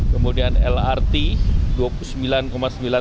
kemudian lrt rp dua puluh lima tujuh triliun